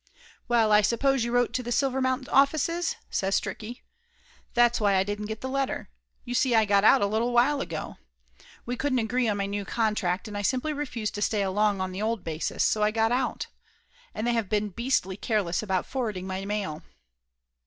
"Well, I suppose you wrote to the Silvermount offices?" says Stricky. "That's why I didn't get the letter. You see I got out a little while ago. We couldn't agree on my new contract, and I simply re fused to stay along on the old basis, so I got out. And they have been beastly careless about forwarding my mail."